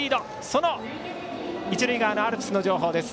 その一塁側のアルプスの情報です。